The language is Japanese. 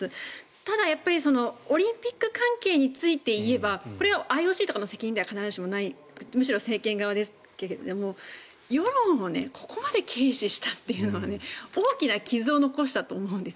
ただ、オリンピック関係についていえばこれはＩＯＣとかの責任では必ずしもないむしろ政権側ですが世論をここまで軽視したというのは大きな傷を残したと思うんです。